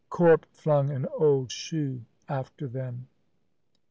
Corp flung an old shoe after them.